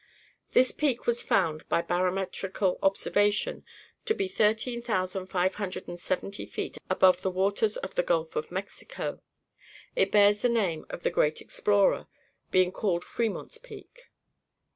'" This peak was found, by barometrical observation, to be thirteen thousand five hundred and seventy feet above the waters of the Gulf of Mexico. It bears the name of the Great Explorer, being called Fremont's Peak.